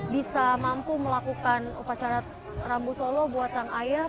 bisa mampu melakukan upacara rambu solo buatan ayah